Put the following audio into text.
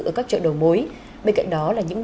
ở các chợ đầu mối bên cạnh đó là những